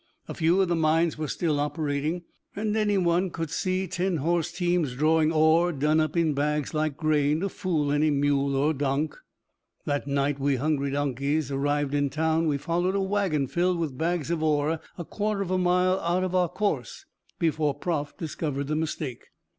A few of the mines were still operating, and any one could see ten horse teams drawing ore done up in bags, like grain, to fool any mule or donk. The night we hungry donkeys arrived in town we followed a wagon filled with bags of ore a quarter of a mile out of our course before Prof. discovered the mistake.